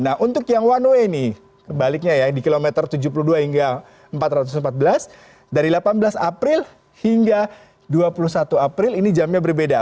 nah untuk yang one way ini baliknya ya di kilometer tujuh puluh dua hingga empat ratus empat belas dari delapan belas april hingga dua puluh satu april ini jamnya berbeda